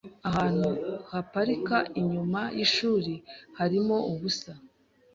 Ahantu haparika inyuma yishuri harimo ubusa .